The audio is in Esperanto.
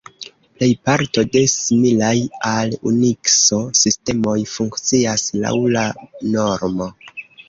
Plejparto de similaj al Unikso sistemoj funkcias laŭ la normo.